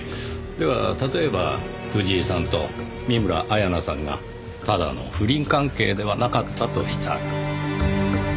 では例えば藤井さんと見村彩那さんがただの不倫関係ではなかったとしたら？